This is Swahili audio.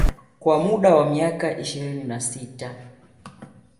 Kwa muda wa miaka ishirini na sita